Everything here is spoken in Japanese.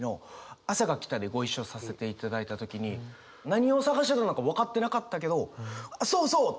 「あさが来た」でご一緒させていただいた時に何を探してたのか分かってなかったけどそうそうって。